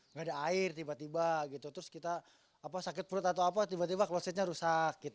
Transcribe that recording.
nggak ada air tiba tiba gitu terus kita sakit perut atau apa tiba tiba klosetnya rusak